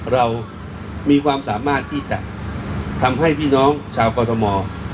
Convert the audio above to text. เรามีความสามารถที่จะทำให้พี่น้องชาวกรทม